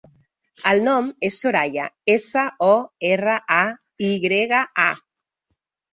El nom és Soraya: essa, o, erra, a, i grega, a.